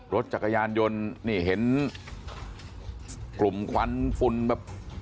รถจักรยานยนต์นี่เห็นกลุ่มควันฝุ่นแบบ